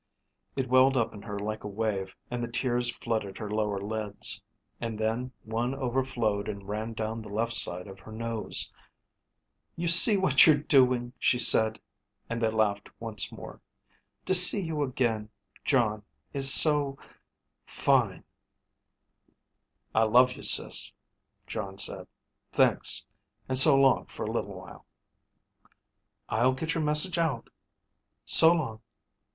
It welled up in her like a wave and the tears flooded her lower lids, and then one overflowed and ran down the left side of her nose. "You see what you're doing," she said. And they laughed once more. "To see you again, Jon is so ... fine." "I love you, Sis," Jon said. "Thanks, and so long for a little while." "I'll get your message out. So long."